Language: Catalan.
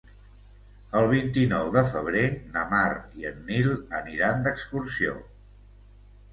El vint-i-nou de febrer na Mar i en Nil aniran d'excursió.